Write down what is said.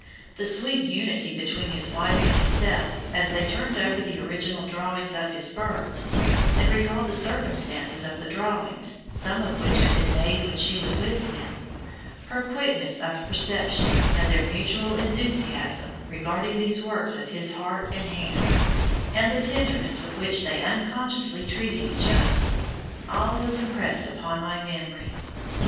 The sweet unity between his wife and himself, as they turned over the original drawings of his birds, and recalled the circumstances of the drawings, some of which had been made when she was with him; her quickness of perception, and their mutual enthusiasm regarding these works of his heart and hand, and the tenderness with which they unconsciously treated each other, all was impressed upon my memory.